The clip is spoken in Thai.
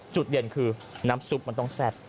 จุดเด่นคือน้ำซุปมันต้องแซ่บ